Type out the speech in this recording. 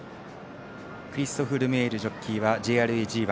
クリストフ・ルメールジョッキーは、ＪＲＡ、ＧＩ